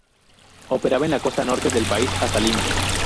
Operaba en la costa norte del país hasta Lima.